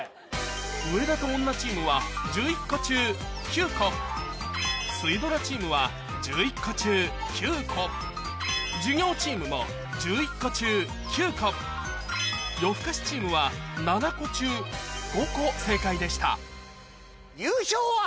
「上田と女チーム」は１１個中９個「水ドラチーム」は１１個中９個「授業チーム」も１１個中９個「夜ふかしチーム」は７個中５個正解でした優勝は。